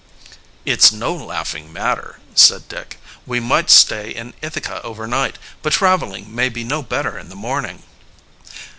"It's no laughing matter," said Dick. "We might stay in Ithaca over night, but traveling may be no better in the morning."